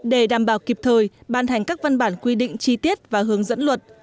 để đảm bảo kịp thời ban hành các văn bản quy định chi tiết và hướng dẫn luật